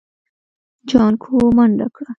جانکو منډه کړه.